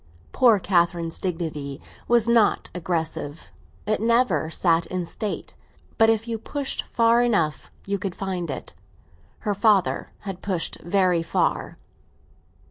Poor Catherine's dignity was not aggressive; it never sat in state; but if you pushed far enough you could find it. Her father had pushed very far.